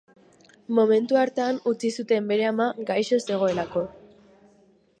Momentu hartan aske utzi zuten bere ama gaixo zegoelako.